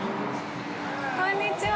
こんにちは。